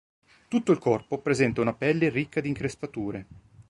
Tutto il corpo presenta una pelle ricca di increspature.